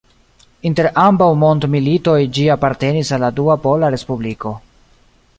Inter ambaŭ mondmilitoj ĝi apartenis al la Dua Pola Respubliko.